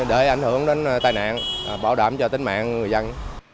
để ảnh hưởng đến tai nạn bảo đảm cho tính mạng người dân